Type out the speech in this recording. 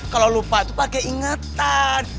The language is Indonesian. kalau lupa itu pakai ingatan